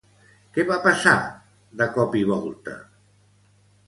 Què va passar, de cop i volta?